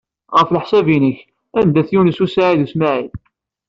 Ɣef leḥsab-nnek, anda-t Yunes u Saɛid u Smaɛil?